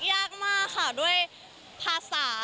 ยากมากค่ะด้วยภาษา